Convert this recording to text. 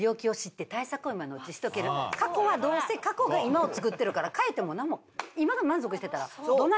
過去はどうせ過去が今をつくってるから変えても何も今が満足してたらどないやろ？